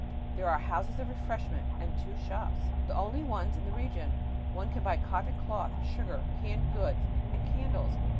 Here are "houses of refreshment" and two shops, the only ones in the region. One can buy cotton cloth, sugar, canned goods and candles.